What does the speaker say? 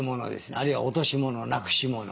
あるいは落とし物なくし物。